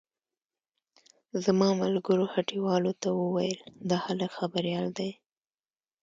زما ملګرو هټيوالو ته وويل دا هلک خبريال دی.